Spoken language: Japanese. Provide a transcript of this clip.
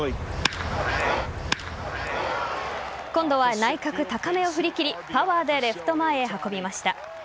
今度は、内角高めを振り切りパワーでレフト前へ運びました。